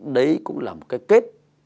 đấy cũng là một cái kết